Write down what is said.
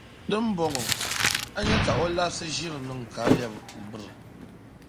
Di ni bɔŋɔ, a nya ka o labisi ʒiri niŋ ka lԑbi biri.